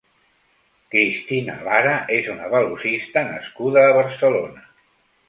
Cristina Lara és una velocista nascuda a Barcelona.